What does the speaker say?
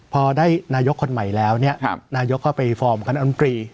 พอได้นายกคนใหม่แล้วนายกก็ไปฟอร์มคอลโลมอล์มตรี